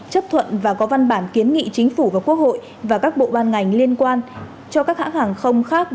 chấp thuận và có văn bản kiến nghị chính phủ và quốc hội và các bộ ban ngành liên quan cho các hãng hàng không khác